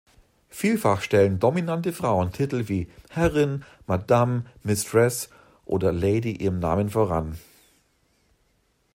Vielfach stellen dominante Frauen Titel wie "Herrin", "Madame", "Mistress" oder "Lady" ihrem Namen voran.